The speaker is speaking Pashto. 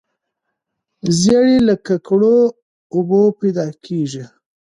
زیړی له ککړو اوبو پیدا کیږي.